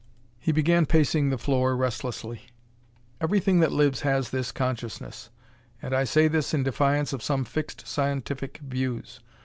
He began pacing the floor restlessly. "Everything that lives has this consciousness, and I say this in defiance of some fixed scientific views.